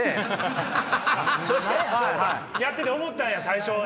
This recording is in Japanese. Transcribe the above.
やってて思ったんや最初。